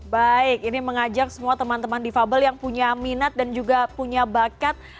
baik ini mengajak semua teman teman difabel yang punya minat dan juga punya bakat